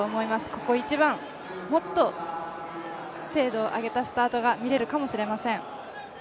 ここ一番、もっと精度を上げたスタートが見れるかもしれません。